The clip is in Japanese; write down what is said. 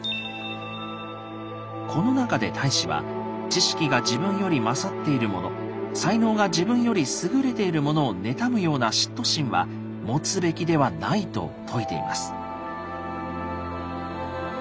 この中で太子は知識が自分より勝っている者才能が自分より優れている者をねたむような嫉妬心は持つべきではないと説いています。